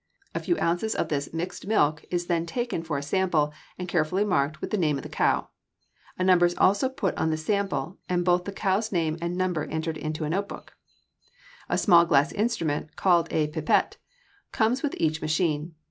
A few ounces of this mixed milk is then taken for a sample, and carefully marked with the name of the cow. A number is also put on the sample, and both the cow's name and the number entered in a notebook. A small glass instrument, called a pipette, comes with each machine.